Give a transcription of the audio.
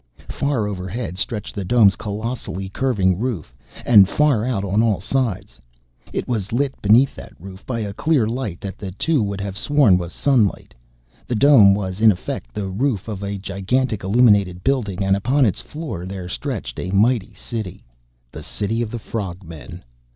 Far overhead stretched the dome's colossally curving roof, and far out on all sides. It was lit beneath that roof by a clear light that the two would have sworn was sunlight. The dome was in effect the roof of a gigantic, illuminated building, and upon its floor there stretched a mighty city. The city of the frog men!